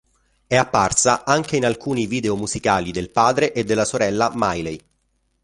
È apparsa anche in alcuni video musicali del padre e della sorella Miley.